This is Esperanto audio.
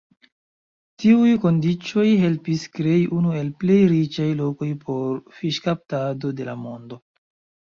Tiuj kondiĉoj helpis krei unu el plej riĉaj lokoj por fiŝkaptado de la mondo.